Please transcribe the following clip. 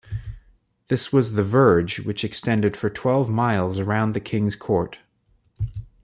This was the verge, which extended for twelve miles around the king's court.